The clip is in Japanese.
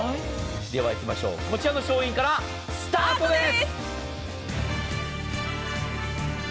ではいきましょう、こちらの商品からスタートです。